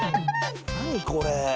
何これ？